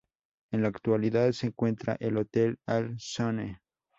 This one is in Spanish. En la actualidad se encuentra el Hotel Al Sonne.